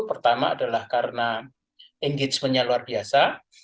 pertama adalah karena engagementnya luar biasa